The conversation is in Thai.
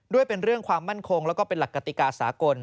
เป็นเรื่องความมั่นคงแล้วก็เป็นหลักกติกาสากล